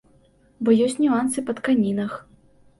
Бо ёсць нюансы па тканінах.